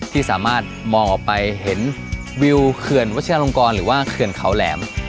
ที่สามารถมองออกไปเห็นวิวเขื่อนวัชลงกรหรือว่าเขื่อนเขาแหลม